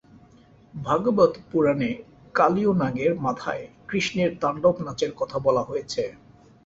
ভাগবত পুরাণে কালীয় নাগের মাথায় কৃষ্ণের তাণ্ডব নাচের কথা বলা হয়েছে।